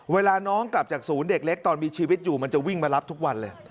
เวลาน้องกลับจากศูนย์เด็กเล็กตอนมีชีวิตอยู่มันจะวิ่งมารับทุกวันเลย